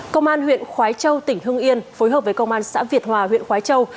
công an huyện khói châu tỉnh hưng yên phối hợp với công an xã việt hòa huyện khói châu